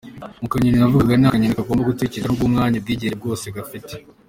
Mu kanyoni navugaga, ni akanyoni kagomba gutekereza no guha umwanya ubwigenge bwose gafite.